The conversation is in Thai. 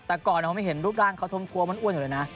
แต่ก่อนเขาไม่เห็นรูปร่างเขาทวมอ้วนอยู่เลยนะ